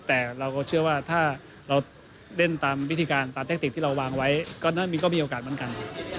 แต่เราก็เชื่อว่าถ้าเราเล่นตามวิธีการตามแทคติกที่เราวางไว้ก็มีโอกาสเหมือนกัน